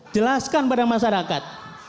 jelaskan pada masyarakat